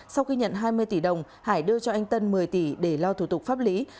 sau khi nhận hai mươi tỷ đồng hải đưa cho anh tân một mươi tỷ để lo thủ tục pháp lý